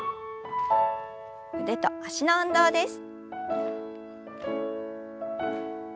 腕と脚の運動です。